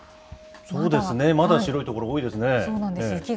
そうですね、まだ白い所多いですね。